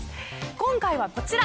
今回はこちら。